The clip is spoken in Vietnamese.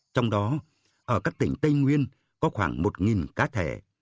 trong đó ở các tỉnh tây nguyên có khoảng một cá thể